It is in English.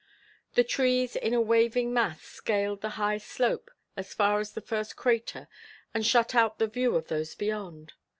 The trees in a waving mass scaled the high slope as far as the first crater and shut out the view of those beyond.